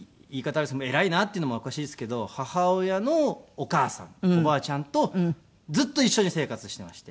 あれですけど偉いなっていうのもおかしいですけど母親のお母さんおばあちゃんとずっと一緒に生活していまして。